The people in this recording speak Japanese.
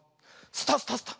スタスタスタ。